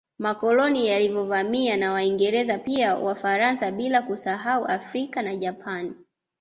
Makoloni yaliyovamiwa na Waingereza pia Wafaransa bila kusahau Afrika na Japani